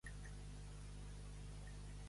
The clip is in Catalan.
Que Déu ens agafi confessats!